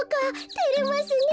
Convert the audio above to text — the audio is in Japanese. てれますねえ。